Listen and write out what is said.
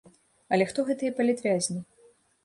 Але хто гэтыя палітвязні?